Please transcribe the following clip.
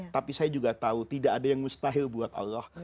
tapi saya juga tahu tidak ada yang mustahil buat allah